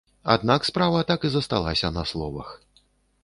Аднак справа так і засталася на словах.